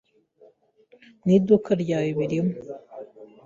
mu iduka ryawe birimo